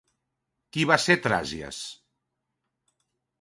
Qui va ser Tràsies?